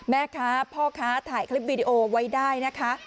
แม่ค้าพ่อค้าถ่ายคลิปวิดีโอไว้ได้นะคะ